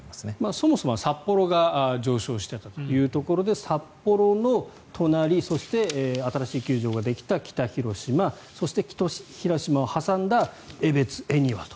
そもそもは札幌が上昇していたというところで札幌の隣そして新しい球場ができた北広島そして、北広島を挟んだ恵庭、江別と。